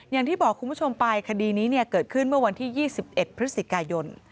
อย่างที่บอกคุณผู้ชมไปคดีนี้เกิดขึ้นเมื่อวันที่๒๑พฤศจิกายน